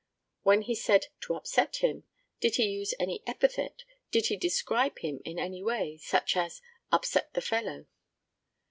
When he said 'to upset him,' did he use any epithet; did he describe him in any way, such as 'upset the fellow?